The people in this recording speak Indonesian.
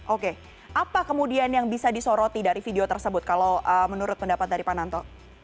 oke apa kemudian yang bisa disoroti dari video tersebut kalau menurut pendapat dari pak nanto